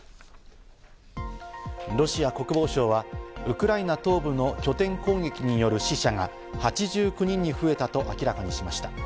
ロシア国防省はウクライナ東部の拠点攻撃による死者が８９人に増えたと明らかにしました。